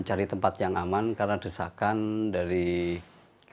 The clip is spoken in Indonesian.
cipta gelar terkenal dari dedekadanya